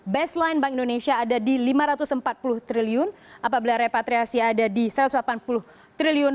baseline bank indonesia ada di lima ratus empat puluh triliun apabila repatriasi ada di satu ratus delapan puluh triliun